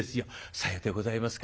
「さようでございますか。